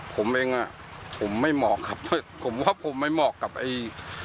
ผมเองอะผมไม่เหมาะผมไม่เหมาะกับที่